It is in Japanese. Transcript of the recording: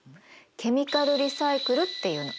ケミカルリサイクルっていうの。